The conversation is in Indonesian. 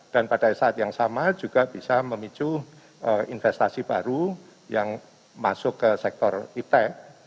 dan pada saat yang sama juga bisa memicu investasi baru yang masuk ke sektor iptec